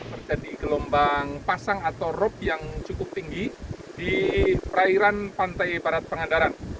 terjadi gelombang pasang atau rop yang cukup tinggi di perairan pantai barat pengandaran